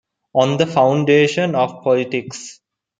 On the Foundation of Politics.